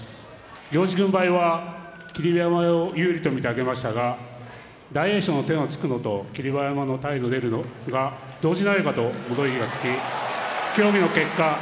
行司軍配は霧馬山を有利と見て上げましたが大栄翔の手がつくのと霧馬山の体が出るのが同時ではないかと物言いがつき協議の結果